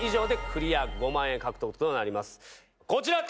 こちら。